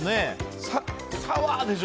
サワーでしょ？